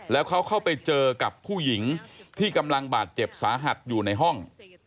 แล้วเขาเข้าไปเจอกับผู้หญิงที่กำลังบาดเจ็บสาหัสอยู่ในห้อง